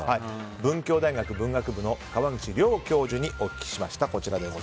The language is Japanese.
文教大学文学部の川口良教授にお聞きしました。